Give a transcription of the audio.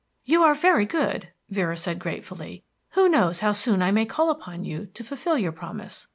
"You are very good," Vera said gratefully. "Who knows how soon I may call upon you to fulfil your promise?